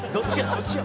どっちや？